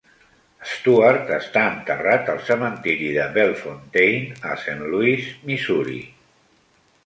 Stewart està enterrat al cementiri de Bellefontaine, a Saint Louis, Missouri.